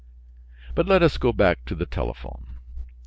But let us go back to the telephone.